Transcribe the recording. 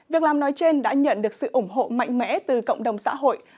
việc làm nói trên đã nhận được sự ủng hộ mạnh mẽ từ cộng đồng xã hội